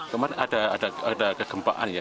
kemarin ada kegempaan ya